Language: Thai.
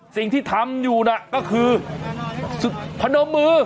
สิ่งที่ทำอยู่น่ะก็คือสุดพนมมือ